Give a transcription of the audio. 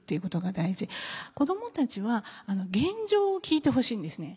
子どもたちは現状を聞いてほしいんですね。